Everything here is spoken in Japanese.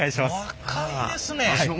若いですね。